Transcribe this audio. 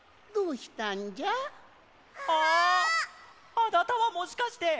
あなたはもしかして！？